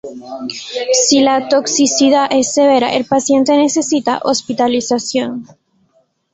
Si la toxicidad es severa el paciente necesita hospitalización.